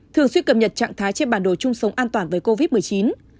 thường xuyên cập nhật trạng thái trên bản đồ chung sống an toàn với covid một mươi chín